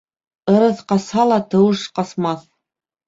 Ырыҫ ҡасһа ла, тыуыш ҡасмаҫ.